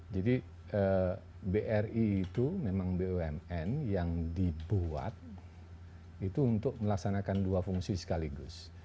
jadi bri itu memang bumn yang dibuat itu untuk melaksanakan dua fungsi sekaligus